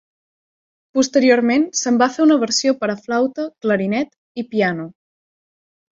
Posteriorment se’n va fer una versió per a flauta, clarinet i piano.